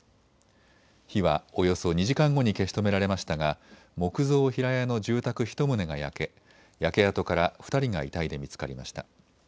火はおよそ２時間後に消し止められましたが木造平屋の住宅１棟が焼け、焼け跡から２人が遺体で見つかりました。